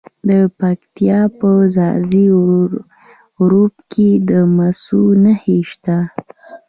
د پکتیا په ځاځي اریوب کې د مسو نښې شته.